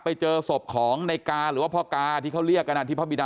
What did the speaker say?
ไปเจอศพของในกาหรือว่าพ่อกาที่เขาเรียกกันที่พระบิดา